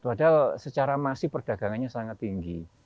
padahal secara masih perdagangannya sangat tinggi